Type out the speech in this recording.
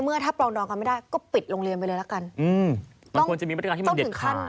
ไม่ได้ก็ปิดโรงเรียนไปเลยละกันอืมมันควรจะมีมาตรการที่มันเด็ดขาด